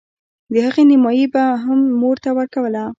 د هغې نيمايي به مې هم مور ته ورکوله.